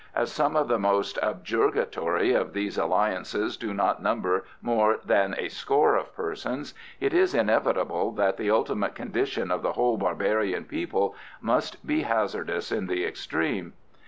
As some of the most objurgatory of these alliances do not number more than a score of persons, it is inevitable that the ultimate condition of the whole barbarian people must be hazardous in the extreme.